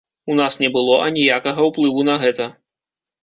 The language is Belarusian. У нас не было аніякага ўплыву на гэта.